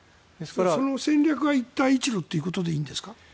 その戦略が一帯一路ということでいいんですか？